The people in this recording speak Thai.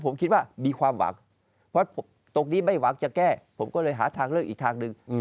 ผมคิดว่ามีความหวังเพราะตรงนี้ไม่หวังจะแก้ผมก็เลยหาทางเลือกอีกทางหนึ่ง